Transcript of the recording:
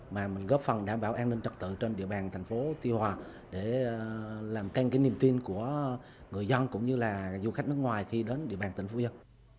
mà mình góp phần đảm bảo an ninh trật tự trên địa bàn thành phố tiêu hòa để làm tăng cái niềm tin của người dân cũng như là du khách nước ngoài khi đến địa bàn tỉnh phú yên